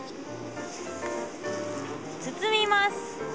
包みます。